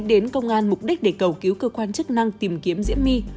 đến công an mục đích để cầu cứu cơ quan chức năng tìm kiếm diễm my